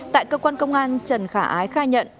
tại cơ quan công an trần khả ái khai nhận